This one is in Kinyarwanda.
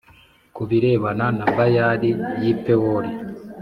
ku birebana na Bayali y’i Pewori,